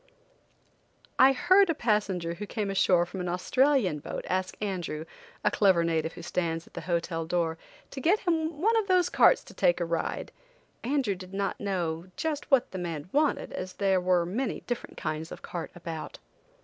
'" I heard a passenger who came ashore from an Australian boat ask Andrew, a clever native who stands at the hotel door, to get him one of those carts to take a ride. Andrew did not know just what the man wanted as there were many different kinds of carts about.